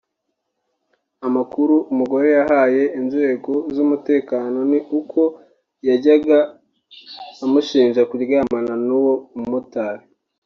Amakuru umugore yahaye inzego z’umutekano ni uko yajyaga amushinja kuryamana n’uwo mu motari